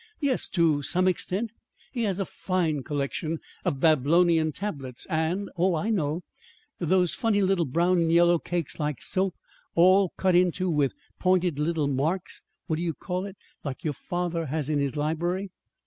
"Yes, to some extent; he has a fine collection of Babylonian tablets, and " "Oh, I know those funny little brown and yellow cakes like soap, all cut into with pointed little marks what do you call it? like your father has in his library!"